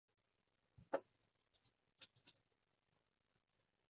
我見到嘅仲係笑咗笑埋右